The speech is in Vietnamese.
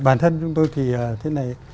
bản thân chúng tôi thì thế này